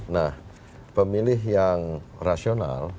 nah pemilih yang rasional